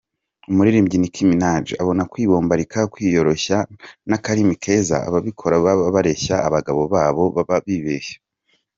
Umuririmbyi Nicky Minaj abona kwibombarika, kwiyoroshya n’akarimi keza ababikoresha bareshya abagabo baba bibeshye.